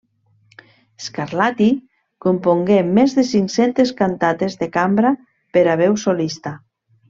Scarlatti compongué més de cinc-centes cantates de cambra per a veu solista.